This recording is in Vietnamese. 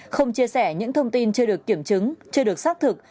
không chia sẻ những thông tin chưa được kiểm chứng chưa được xác thực